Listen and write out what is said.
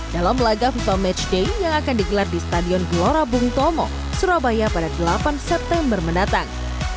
dalam laga fifa matchday yang akan digelar di stadion gelora bung tomo surabaya pada delapan september mendatang